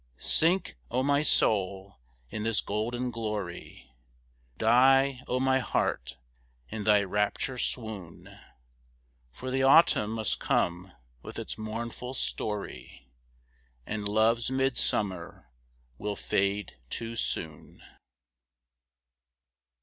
Sink, O my soul, in this golden glory, Die, O my heart, in thy rapture swoon, For the Autumn must come with its mournful story, And Love's midsummer will fade too soon.